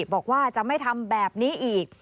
บอกว่าจะไม่ทำแบบนี้อีก